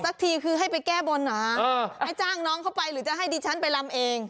ทีคือให้ไปแก้บนเหรอให้จ้างน้องเข้าไปหรือจะให้ดิฉันไปลำเอง